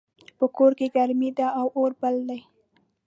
په کور کې ګرمي ده او اور بل ده